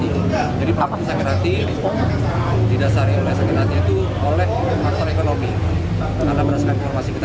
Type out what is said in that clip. itu jadi pakai sakit hati di dasarnya itu oleh faktor ekonomi karena berdasarkan informasi kita